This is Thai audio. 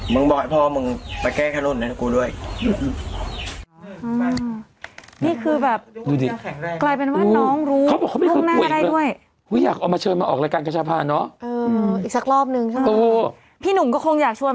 มึงบอกให้พ่อมึงไปแก้แค่ร่วมนั้นกับกูด้วย